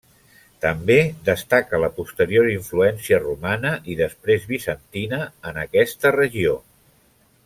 També destaca la posterior influència romana i després bizantina en aquesta regió.